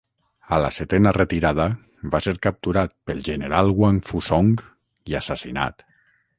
A la setena retirada, va ser capturat pel general Huangfu Song i assassinat.